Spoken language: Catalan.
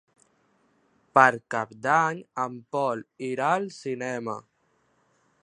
Per Cap d'Any en Pol irà al cinema.